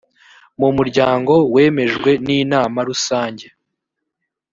mu muryango wemejwe n inama rusange